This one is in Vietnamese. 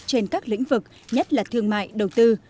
trên các lĩnh vực nhất là thương mại đầu tư